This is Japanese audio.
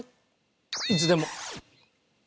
いつでも。